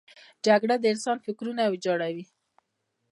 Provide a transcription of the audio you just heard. جګړه د انسان فکرونه ویجاړوي